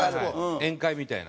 宴会みたいな。